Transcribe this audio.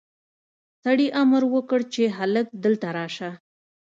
سړي امر وکړ چې هلک دلته راشه.